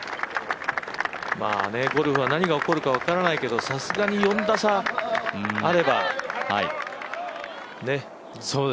ゴルフは何が起こるか分からないけど、さすがに４打差あればね。